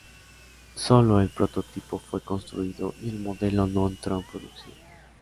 Sólo el prototipo fue construido y el modelo no entró en producción.